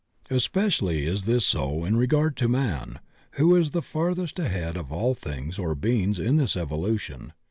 Especially is this so in regard to man, who is the farthest ahead of all things or beings in this evolution.